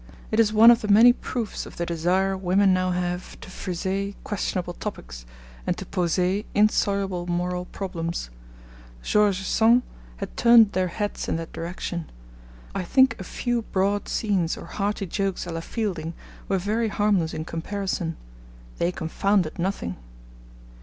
It is one of the many proofs of the desire women now have to friser questionable topics, and to poser insoluble moral problems. George Sand has turned their heads in that direction. I think a few broad scenes or hearty jokes a la Fielding were very harmless in comparison. They confounded nothing.